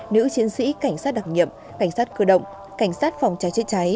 nữ chiến sĩ cảnh sát đặc nhiệm cảnh sát cơ động cảnh sát phòng trái chế cháy